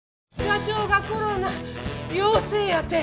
社長がコロナ陽性やて。